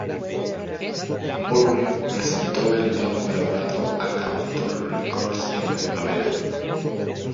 Murry presentó el demo grabado a Capitol Records en primavera.